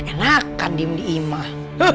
dia enak kadim diimah